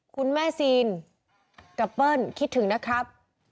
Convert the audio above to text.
คุณแม่ซีนกับเปิ้ลคิดถึงนะครับ